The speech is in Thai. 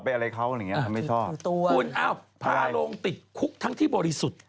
ถึงทางที่บริสุทธิ์